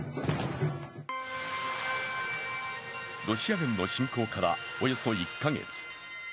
ロシア軍の侵攻からおよそ１カ月。